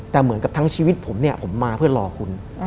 แต่เหมือนกับทั้งชีวิตผมเนี่ยผมมาเพื่อรอคุณ